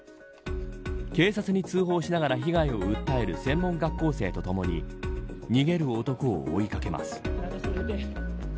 警察に通報しながら被害を訴える専門学校生とともに逃げる男を追いかけます。